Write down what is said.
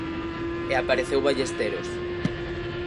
E apareceu Ballesteros.